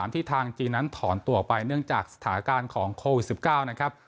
ที่ทางจีนนั้นถอนตัวไปเนื่องจากสถานการณ์ของโควิด๑๙นะครับ